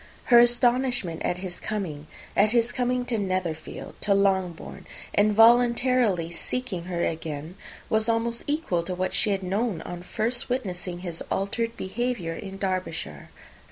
Her astonishment at his coming at his coming to Netherfield, to Longbourn, and voluntarily seeking her again, was almost equal to what she had known on first witnessing his altered behaviour in Derbyshire.